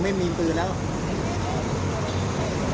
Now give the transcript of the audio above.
กำลังจะมอบตัวมอบตัวแล้วพี่มือไม่มีปืนแล้ว